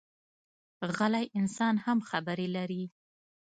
غلی انسان هم خبرې لري